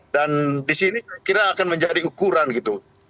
dan di sini saya kira akan menjadi ukuran gitu